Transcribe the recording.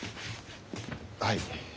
はい。